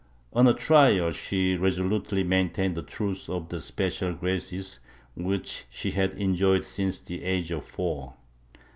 On her trial she resolutely main tained the truth of the special graces which she had enjoyed since the age of four.